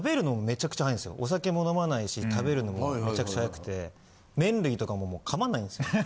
お酒も飲まないし食べるのもめちゃくちゃ早くて麺類とかももう噛まないんですよ。